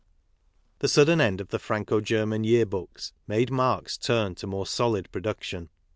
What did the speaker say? The sudden end of the Franco German Year Books made Marx turn to more solid production.